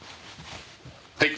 はい。